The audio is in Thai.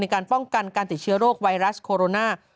การป้องกันการติดเชื้อโรคไวรัสโคโรนา